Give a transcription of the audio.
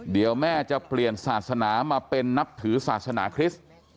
เดี๋ยวแม่จะเปลี่ยนศาสนามาเป็นนับถือศาสนาคริสต์